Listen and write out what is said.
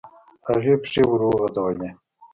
هغې پښې وروغځولې.